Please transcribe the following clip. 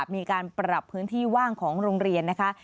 มีการปรับพื้นที่ว่างของโรงเรียนนะคะ